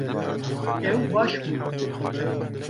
Ew baş bûn